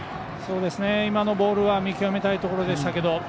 今のボールは見極めたいところでしたけど。